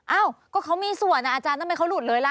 เอ้าก็เขามีส่วนอาจารย์ทำไมเขาหลุดเลยล่ะ